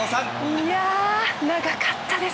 いやあ、長かったです。